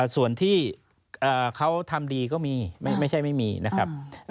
ส่วนที่เขาทำดีก็มีไม่ใช่ไม่มีนะครับ